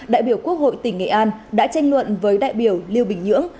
đại biểu quốc hội tỉnh nghệ an đã tranh luận với đại biểu lưu bình nhưỡng